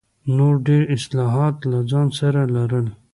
نور ډېر اصلاحات له ځان سره لرل.